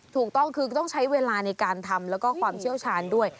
ถูกต้องคือต้องใช้เวลาในการทำแล้วก็ความเชี่ยวชาญด้วย